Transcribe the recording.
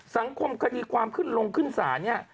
สังคมคดีความขึ้นรวงขึ้นสานี่